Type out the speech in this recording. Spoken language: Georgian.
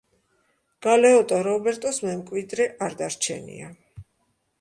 გალეოტო რობერტოს მემკვიდრე არ დარჩენია.